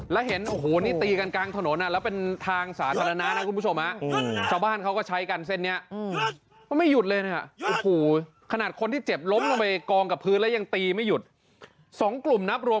แล้วเห็นโอ้โหนี่ตีกันกลางถนนแล้วเป็นทางสาธารณะนะคุณผู้ชมนับรวม